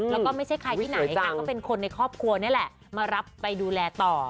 แล้วก็ไม่ใช่ใครที่ไหนค่ะก็เป็นคนในครอบครัวนี่แหละมารับไปดูแลต่อ